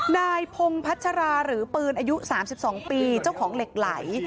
นายพงพัชราหรือปืนอายุ๓๒ปีเจ้าของเหล็กไหล